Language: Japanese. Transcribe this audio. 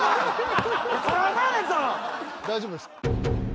大丈夫ですか？